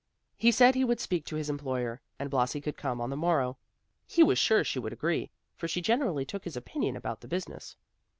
He said he would speak to his employer, and Blasi could come on the morrow. He was sure she would agree, for she generally took his opinion about the business.